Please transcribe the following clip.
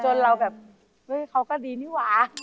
เราแบบเฮ้ยเขาก็ดีนี่หว่า